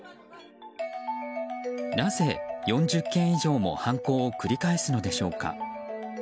なぜ４０件以上も犯行を繰り返すのでしょうか。